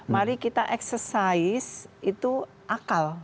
mari kita eksersis itu akal